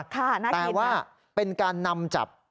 แต่ว่าเป็นการนำจับ